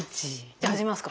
じゃあ始めますか。